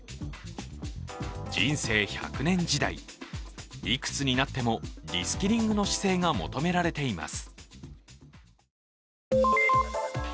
人生１００年時代、いくつになってもリスキリングの姿勢が求められています。